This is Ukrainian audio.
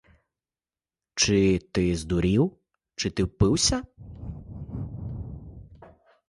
Чи ти здурів, чи ти впився?